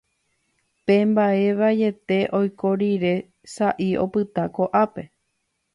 pe mba'e vaiete oiko rire sa'i opyta ko'ápe